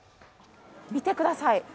見てください。